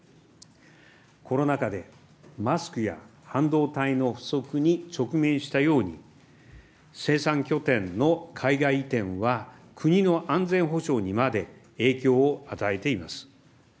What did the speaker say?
コロナ禍でマスクや半導体の不足に直面したように、生産拠点の海外移転は国の安全保障にまで影響を与えています。